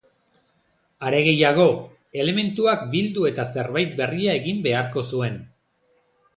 Are gehiago, elementuak bildu eta zerbait berria egin beharko zuen.